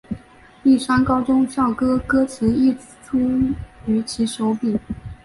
丽山高中校歌歌词亦出于其手笔。